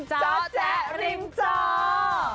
เจาะแจะริมเจาะ